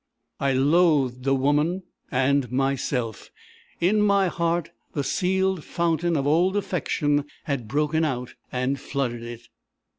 I loathed the woman and myself; in my heart the sealed fountain of old affection had broken out, and flooded it.